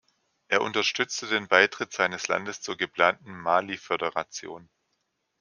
Er unterstützte den Beitritt seines Landes zur geplanten Mali-Föderation.